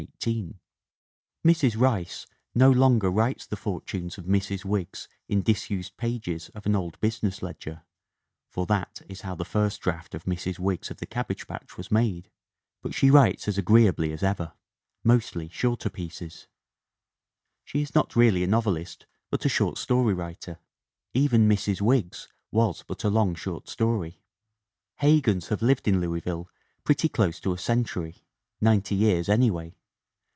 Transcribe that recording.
Mrs. Rice no longer writes the fortunes of Mrs. Wiggs in disused pages of an old business ledger (for that is how the first draft of Mrs. Wiggs of the Cabbage Patch was made). But she writes as agreeably as ever. Mostly 313 3 H THE WOMEN WHO MAKE OUR NOVELS shorter pieces. She is not really a novelist but a short story writer. Even Mrs. Wiggs was but a long short story. Hegans have lived in Louisville pretty close to a century ninety years anyway.